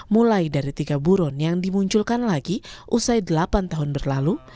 mulai dari tiga buron yang dimunculkan lagi usai delapan tahun berlalu